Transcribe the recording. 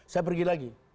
saya pergi lagi